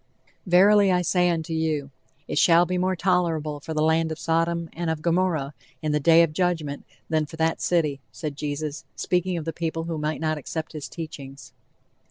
"Verily I say unto you, it shall be more tolerable for the land of Sodom and of Gomorrah, in the day of judgment, than for that city," said Jesus, speaking of the people who might not accept his teachings.